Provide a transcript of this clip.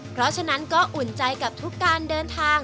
เพราะฉะนั้นก็อุ่นใจกับทุกการเดินทาง